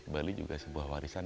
bali juga sebuah warisan